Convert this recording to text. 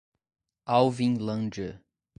Alvinlândia